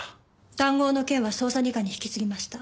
談合の件は捜査二課に引き継ぎました。